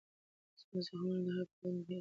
زما زخمونه د هغې په وړاندې بېحسه شوي وو.